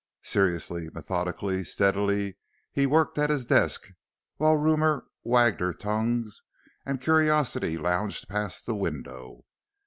Seriously, methodically, steadily, he worked at his desk, while rumor wagged her tongues and curiosity lounged past the window.